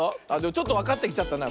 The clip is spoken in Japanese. ちょっとわかってきちゃったな。